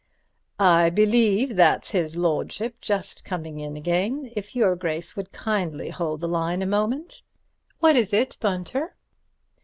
"I believe that's his lordship just coming in again—if your Grace would kindly hold the line a moment." "What is it, Bunter?"